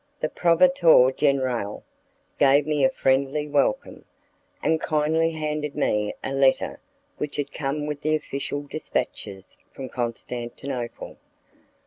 The 'proveditore generale' gave me a friendly welcome, and kindly handed me a letter which had come with the official dispatches from Constantinople.